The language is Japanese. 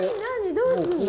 どうすんの？